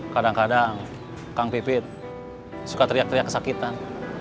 kadang kadang kang pipit suka teriak teriak kesakitan